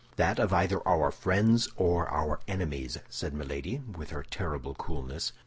"That of either our friends or our enemies," said Milady, with her terrible coolness.